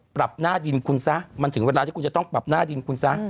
ปรับหน้าดินคุณซะมันถึงเวลาที่คุณจะต้องปรับหน้าดินคุณซะ